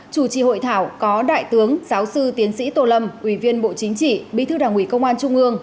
chủ trì hội thảo có đại tướng giáo sư tiến sĩ tô lâm ủy viên bộ chính trị bí thư đảng ủy công an trung ương